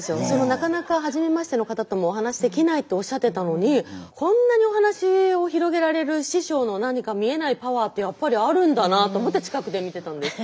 なかなかはじめましての方ともお話できないっておっしゃってたのにこんなにお話を広げられる師匠の何か見えないパワーってやっぱりあるんだなと思って近くで見てたんです。